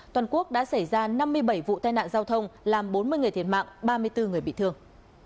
toàn quốc đã xảy ra năm mươi bảy vụ tai nạn giao thông làm bốn mươi người thiệt mạng ba mươi bốn người bị thương